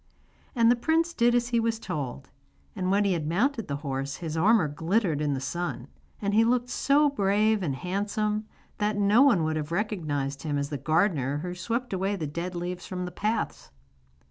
And the prince did as he was told; and when he had mounted the horse his armour glittered in the sun, and he looked so brave and handsome, that no one would have recognised him as the gardener who swept away the dead leaves from the paths.